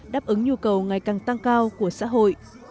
đáp ứng nhu cầu ngày càng tăng cao của xã hội